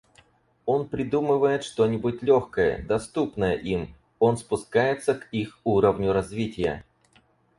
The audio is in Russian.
Он придумывает что-нибудь легкое, доступное им, он спускается к их уровню развития.